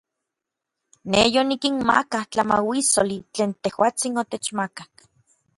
Nej yonikinmakak tlamauissoli tlen tejuatsin otechmakak.